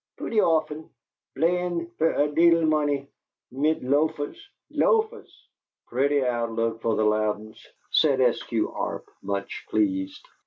Pooty often. Blayin' fer a leedle money mit loafers! Loafers!" "Pretty outlook for the Loudens!" said Eskew Arp, much pleased.